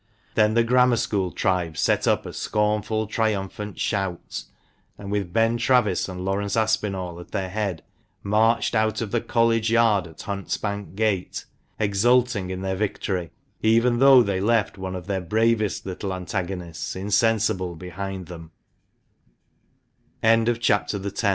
Then the Grammar THE FIGHT IN THE COLLEGE YARD. THE MANCHESTER MAN. 95 School tribe set up a scornful, triumphant shout, and, with Ben Travis and Laurence Aspinall at their head, marched out of the College Yard at the Hunt's Bank gate, exulting in their victory, even though they left one of their bravest little antagonists insensible behind them CHAPTER THE ELE